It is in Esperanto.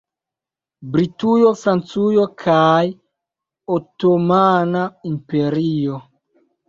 Britujo, Francujo kaj la Otomana Imperio.